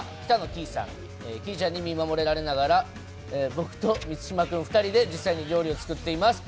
きいちゃんに見守られながら僕と満島君２人で実際に料理を作っています。